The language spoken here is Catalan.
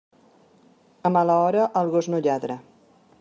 A mala hora, el gos no lladra.